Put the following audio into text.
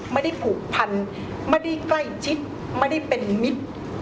ไม่ได้ผูกพันไม่ได้ใกล้ชิดไม่ได้เป็นมิตร